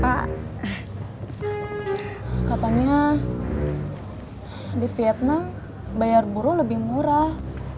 katanya di vietnam bayar buruh lebih murah